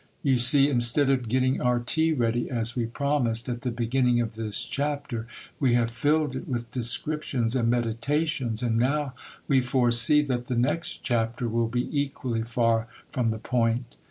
You see, instead of getting our tea ready, as we promised at the beginning of this chapter, we have filled it with descriptions and meditations,—and now we foresee that the next chapter will be equally far from the point.